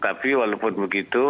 tapi walaupun begitu